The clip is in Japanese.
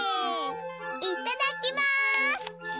いただきます！